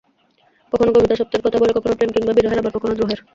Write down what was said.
কখনো কবিতা স্বপ্নের কথা বলে, কখনো প্রেম কিংবা বিরহের, আবার কখনো দ্রোহের।